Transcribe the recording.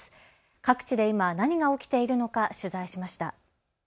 各地で今、何が起きているのか取材しました。